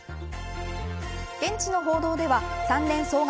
現地の報道では３年総額